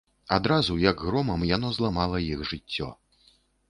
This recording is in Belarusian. Адразу, як громам, яно зламала іх жыццё.